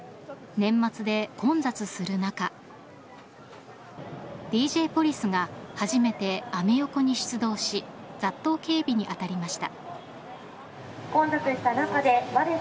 年末で混雑する中ＤＪポリスが初めてアメ横に出動し雑踏警備に当たりました。